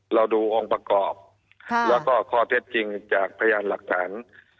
เราดูองค์ประกอบแล้วก็ข้อเท็จจริงจากพยานหลักฐาน